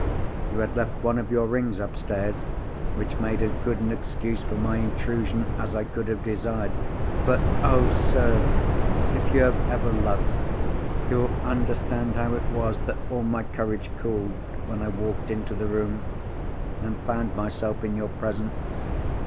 "You had left one of your rings upstairs, which made as good an excuse for my intrusion as I could have desired. But, oh, sir! if you have ever loved, you will understand how it was that all my courage cooled, when I walked into the room, and found myself in your presence.